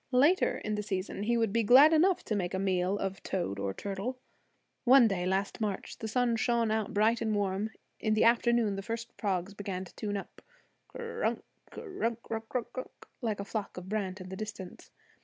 Later in the season he would be glad enough to make a meal of toad or turtle. One day last March the sun shone out bright and warm; in the afternoon the first frogs began to tune up, cr r r runk, cr r runk a runk runk, like a flock of brant in the distance.